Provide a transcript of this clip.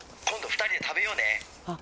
今度２人で食べようね。